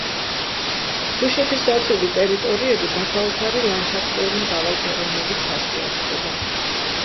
თუშეთის დაცული ტერიტორიები გასაოცარი ლანდშაფტური მრავალფეროვნებით ხასიათდება.